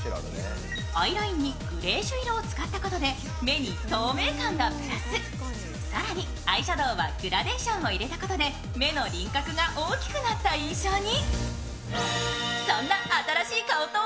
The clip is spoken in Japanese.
アイラインにグレージュ色を使ったことで目に透明感がプラス、更に、アイシャドウはグラデーションを入れたことで目の輪郭が大きくなった印象に。